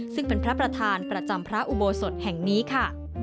ซึ่งเป็นพระประธานประจำพระอุโบสถแห่งนี้ค่ะ